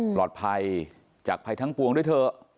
ปลอดภัยจากภัยทั้งปวงด้วยเถอะ